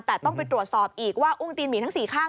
แต่ต้องไปตรวจสอบอีกว่าอุ้งตีนหมีทั้ง๔ข้าง